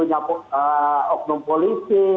untuk oknum polisi